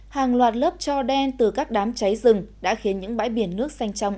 hàng loạt lớp trò đen từ các đám cháy rừng đã khiến những bãi biển nước xanh trong